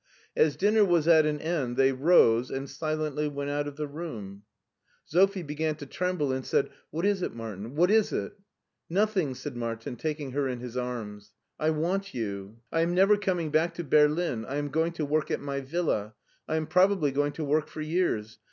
As dinner was at an end, they rose and silently went out of the room. Sophie began to tremble, and said : ii ti it SCHWARZWALD Sy; "What is it, Martin, what is it?'' Nothing," said Martin, taking her in his arms. I want you." I am never coming back to Berlin; I am going to work at my villa; I am probably going to work for years.